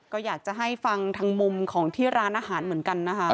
ก็อยากจะให้ฟังทางมุมของที่ร้านอาหารเหมือนกันนะคะ